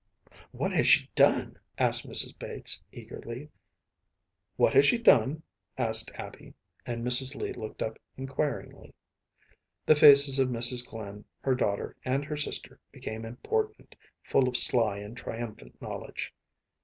‚ÄĚ “What has she done?‚ÄĚ asked Mrs. Bates, eagerly. “What has she done?‚ÄĚ asked Abby, and Mrs. Lee looked up inquiringly. The faces of Mrs. Glynn, her daughter, and her sister became important, full of sly and triumphant knowledge.